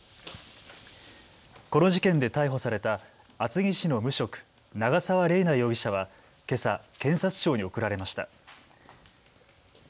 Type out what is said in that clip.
この事件で逮捕された厚木市の無職、長澤麗奈容疑者はけさ検察庁に送られました。